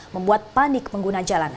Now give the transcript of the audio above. membuat panik pengguna jalan